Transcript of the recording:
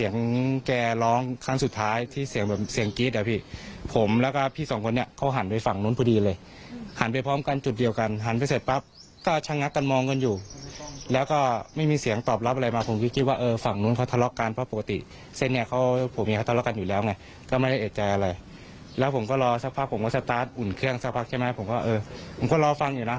ว่าสตาร์ทอุ่นเครื่องสักพักใช่ไหมผมก็เออผมก็รอฟังอยู่นะ